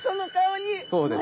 そうですね。